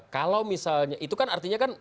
kalau misalnya itu kan artinya kan